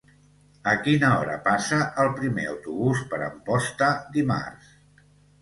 A quina hora passa el primer autobús per Amposta dimarts?